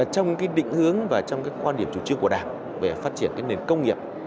trong định hướng và trong quan điểm chủ trương của đảng về phát triển nền công nghiệp